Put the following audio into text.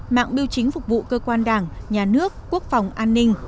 mạng biêu chính phục vụ cơ quan đảng nhà nước quốc phòng an ninh